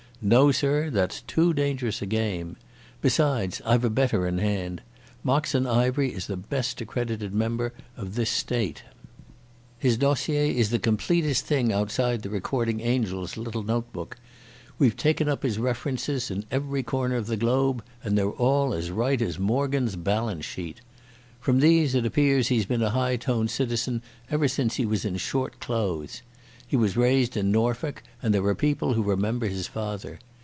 No, sir, that's too dangerous a game! Besides, I've a better in hand, Moxon Ivery is the best accredited member of this State. His dossier is the completest thing outside the Recording Angel's little note book. We've taken up his references in every corner of the globe and they're all as right as Morgan's balance sheet. From these it appears he's been a high toned citizen ever since he was in short clothes. He was raised in Norfolk, and there are people living who remember his father.